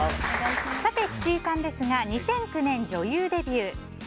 岸井さんですが２００９年、女優デビュー。